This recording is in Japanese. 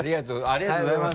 ありがとうございます。